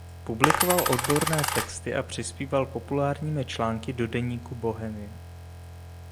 Publikoval odborné texty a přispíval populárními články do deníku "Bohemia".